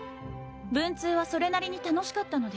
文通はそれなりに楽しかったのです。